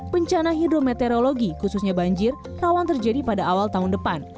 bencana hidrometeorologi khususnya banjir rawan terjadi pada awal tahun depan